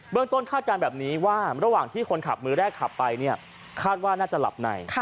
เรื่องต้นคาดการณ์แบบนี้ว่าระหว่างที่คนขับมือแรกขับไปเนี่ยคาดว่าน่าจะหลับใน